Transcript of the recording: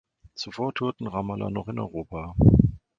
Zuvor tourten Ramallah noch in Europa.